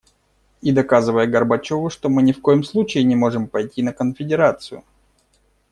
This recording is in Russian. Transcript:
И доказывая Горбачёву, что мы ни в коем случае не можем пойти на конфедерацию.